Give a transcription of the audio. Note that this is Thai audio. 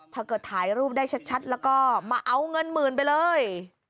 ถ่ายรูปได้ชัดแล้วก็มาเอาเงินหมื่นไปเลย